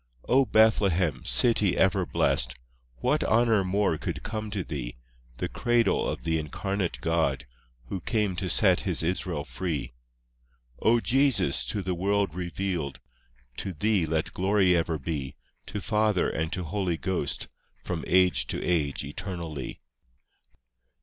V O Bethlehem, city ever blest! What honour more could come to thee? The cradle of the Incarnate God, Who came to set His Israel free! VI O Jesus, to the world revealed! To Thee let glory ever be, To Father and to Holy Ghost, From age to age eternally.